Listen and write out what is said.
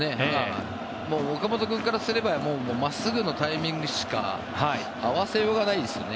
岡本君からすれば真っすぐのタイミングしか合わせようがないですよね。